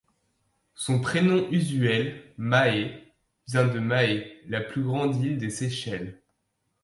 Son prénom usuel, Mahé, vient de Mahé, la plus grande île des Seychelles.